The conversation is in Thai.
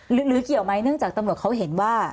หรือเหลือเกี่ยวไหมดังจากตำรวจเขาเห็นว่า